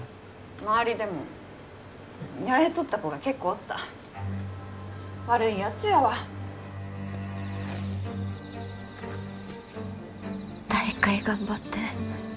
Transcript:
周りでもやられとった子が結構おった悪いやつやわ大会頑張って